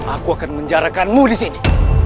aku akan menjarakanmu disini